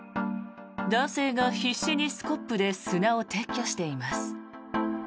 男性が必死にスコップで砂を撤去しています。